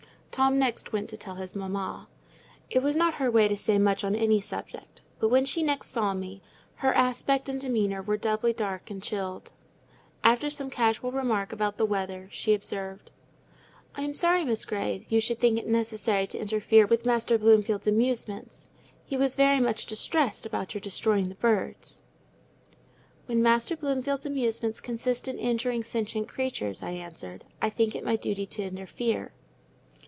Tom next went to tell his mamma. It was not her way to say much on any subject; but, when she next saw me, her aspect and demeanour were doubly dark and chilled. After some casual remark about the weather, she observed—"I am sorry, Miss Grey, you should think it necessary to interfere with Master Bloomfield's amusements; he was very much distressed about your destroying the birds." "When Master Bloomfield's amusements consist in injuring sentient creatures," I answered, "I think it my duty to interfere."